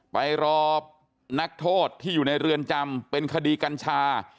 ไปรอนักโทษที่อยู่ในเรือนจำเป็นคดีกัญชา